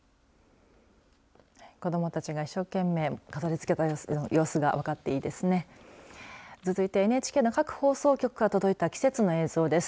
子どもたちが一生懸命飾りつけた様子が分かっていいですね。